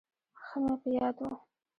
ښه مې په یاد و.